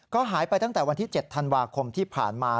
ก็หายไปตั้งแต่วันที่๗ธันวาคมที่ผ่านมา